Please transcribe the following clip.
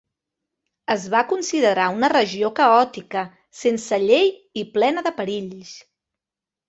Es va considerar una regió caòtica, sense llei i plena de perills.